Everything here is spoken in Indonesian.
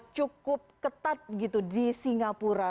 cukup ketat gitu di singapura